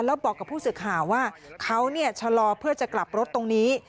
แล้วบอกกับผู้สึกหาว่าเขาเนี่ยชะลอเพื่อจะกลับรถตรงนี้